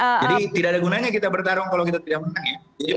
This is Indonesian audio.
jadi tidak ada gunanya kita bertarung kalau kita tidak menang ya